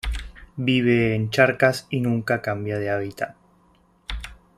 Vive en charcas y nunca cambia de habitat.